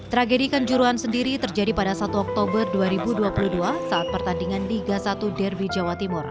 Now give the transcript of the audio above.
tragedi kanjuruhan sendiri terjadi pada satu oktober dua ribu dua puluh dua saat pertandingan liga satu derby jawa timur